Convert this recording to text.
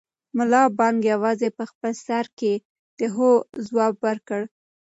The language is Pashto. ملا بانګ یوازې په خپل سر کې د هو ځواب ورکړ.